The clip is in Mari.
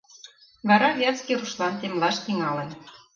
Вара Вятский рушлан темлаш тӱҥалын.